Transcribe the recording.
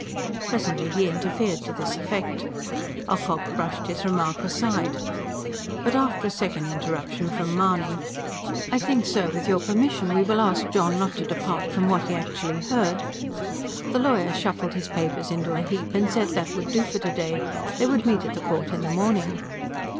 Presently he interfered to this effect. Ocock brushed his remark aside. But after a second interruption from Mahony: "I think, sir, with your permission we will ask John not to depart from what he actually heard," the lawyer shuffled his papers into a heap and said that would do for to day: they would meet at the court in the morning.